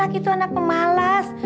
anak itu anak pemalas